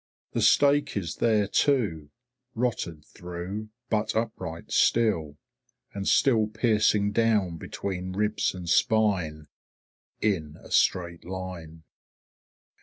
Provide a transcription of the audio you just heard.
The stake is there too, rotted through, but upright still, and still piercing down between ribs and spine in a straight line.